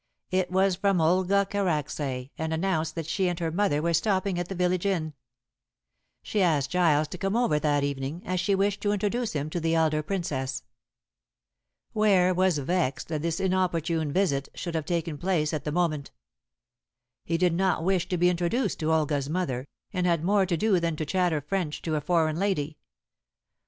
It was from Olga Karacsay, and announced that she and her mother were stopping at the village inn. She asked Giles to come over that evening, as she wished to introduce him to the elder Princess. Ware was vexed that this inopportune visit should have taken place at the moment. He did not wish to be introduced to Olga's mother, and had more to do than to chatter French to a foreign lady.